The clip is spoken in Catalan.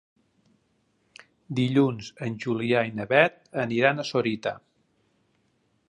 Dilluns en Julià i na Beth iran a Sorita.